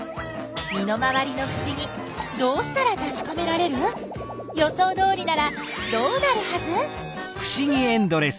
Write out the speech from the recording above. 身の回りのふしぎどうしたらたしかめられる？予想どおりならどうなるはず？